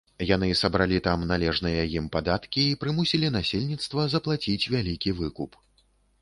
Яны сабралі там належныя ім падаткі і прымусілі насельніцтва заплаціць вялікі выкуп.